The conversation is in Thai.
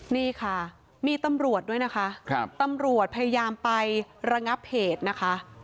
นี่ค่ะมีตำรวจด้วยนะคะตำรวจพยายามไประงับเหตุนะคะ